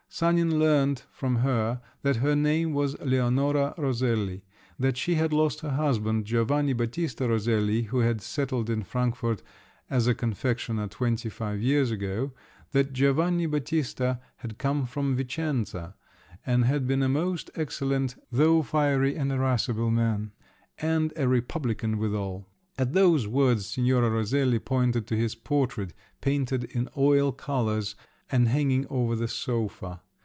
Sanin learnt from her that her name was Leonora Roselli; that she had lost her husband, Giovanni Battista Roselli, who had settled in Frankfort as a confectioner twenty five years ago; that Giovanni Battista had come from Vicenza and had been a most excellent, though fiery and irascible man, and a republican withal! At those words Signora Roselli pointed to his portrait, painted in oil colours, and hanging over the sofa.